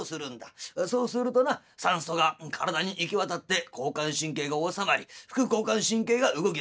そうするとな酸素が体に行き渡って交感神経が収まり副交感神経が動きだす。